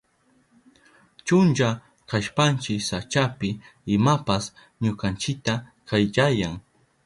Chunlla kashpanchi sachapi imapas ñukanchita kayllayan.